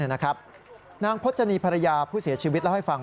นางพจนีภรรยาผู้เสียชีวิตเล่าให้ฟัง